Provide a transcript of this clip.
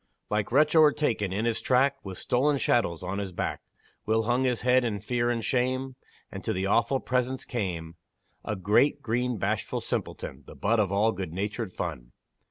Like wretch o'ertaken in his track, With stolen chattels on his back, Will hung his head in fear and shame, And to the awful presence came A great, green, bashful simpleton, The butt of all good natured fun.